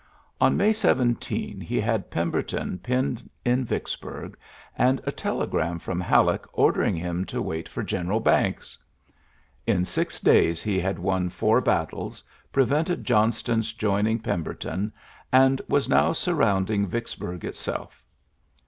On May 17 he had Pemberton penned in Yicksburg^ and a telegram from HaUeck ordering him to wait for General Banks I In six days he had won four battles, prevented Johnston's joining Pemberton, and was now sur rounding Vicksburg itself.